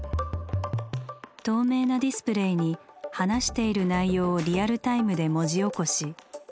透明なディスプレーに話している内容をリアルタイムで文字起こし。